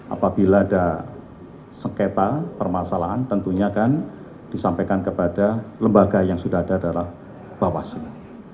apabila ada sengketa permasalahan tentunya akan disampaikan kepada lembaga yang sudah ada dalam bawaslu